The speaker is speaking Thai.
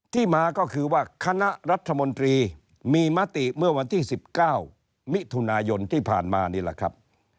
ที่มาก็คือว่าคณะรัฐมนตรีมีมติเมื่อวันที่๑๙มิถุนายนที่ผ่านมานี่แหละครับ